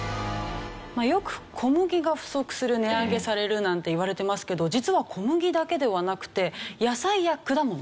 よく小麦が不足する値上げされるなんていわれてますけど実は小麦だけではなくて野菜や果物